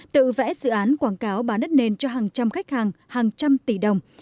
tự vẽ dự án quảng cáo bán đất nền cho hàng trăm khách hàng hàng trăm tỷ đồng